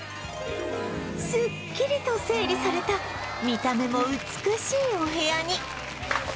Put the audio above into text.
すっきりと整理された見た目も美しいお部屋に